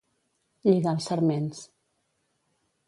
Lligar els sarments.